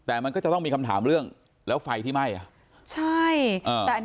แต่มันก็ต้องมีคำถามเรื่องแล้วไฟที่ไหม้